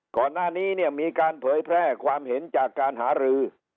ก่อนหน้านี้เนี่ยมีการเผยแพร่ความเห็นจากการหารือ